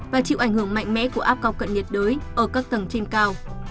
và chịu ảnh hưởng mạnh mẽ của áp cao cận nhiệt đới ở các tầng trên cao